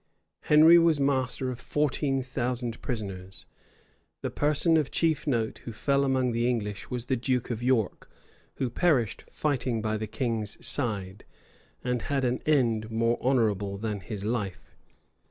Henry was master of fourteen thousand prisoners. The person of chief note who fell among the English, was the duke of York, who perished fighting by the king's side, and had an end more honorable than his life.